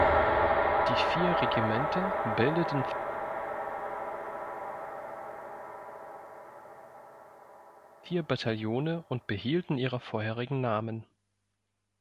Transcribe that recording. Die vier Regimente bildeten vier Bataillone und behielten ihre vorherigen Namen.